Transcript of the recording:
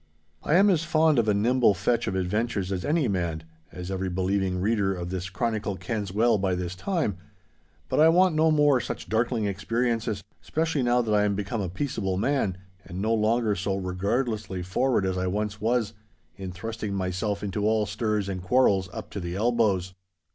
I am as fond of a nimble fetch of adventures as any man, as every believing reader of this chronicle kens well by this time, but I want no more such darkling experiences—specially now that I am become a peaceable man, and no longer so regardlessly forward as I once was, in thrusting myself into all stirs and quarrels up to the elbows.